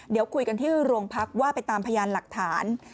เดี๋ยวคุยกันที่โรงพักว่าไปตามพยานหลักฐาน